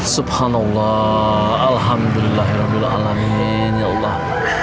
subhanallah alhamdulillahirrahmanirrahim ya allah